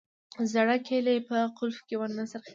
زړه کیلي په قلف کې ونه څرخیدل